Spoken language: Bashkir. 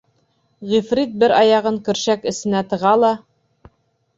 Ғифрит бер аяғын көршәк эсенә тыға ла: